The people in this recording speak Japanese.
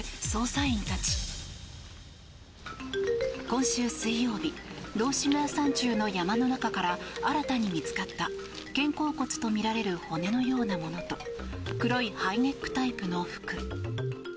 今週水曜日道志村山中の山の中から新たに見つかった肩甲骨とみられる骨のようなものと黒いハイネックタイプの服。